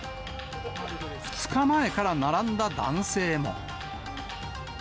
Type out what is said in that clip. ２日前から並んだ男性も。